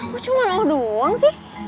kok cuma lo doang sih